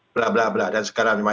blah blah blah dan segala macam